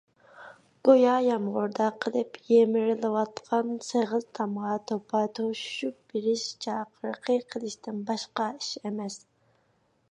گويا يامغۇردا قېلىپ يېمىرىلىۋاتقان سېغىز تامغا توپا توشۇشۇپ بېرىش چاقىرىقى قىلىشتىن باشقا ئىش ئەمەس.